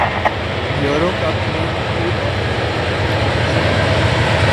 euro cup میں اٹلی اور انگلینڈ مشکل میں